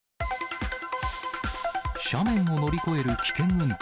斜面を乗り越える危険運転。